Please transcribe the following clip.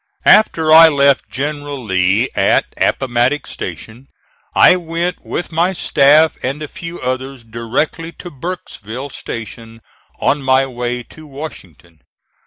After I left General Lee at Appomattox Station, I went with my staff and a few others directly to Burkesville Station on my way to Washington.